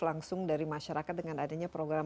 langsung dari masyarakat dengan adanya program